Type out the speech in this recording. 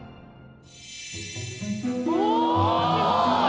おおすごい。